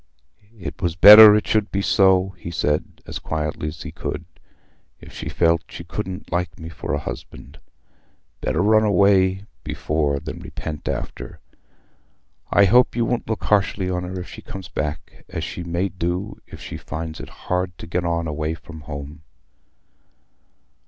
"It was better it should be so," he said, as quietly as he could, "if she felt she couldn't like me for a husband. Better run away before than repent after. I hope you won't look harshly on her if she comes back, as she may do if she finds it hard to get on away from home."